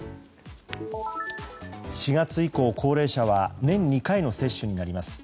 ４月以降、高齢者は年２回の接種になります。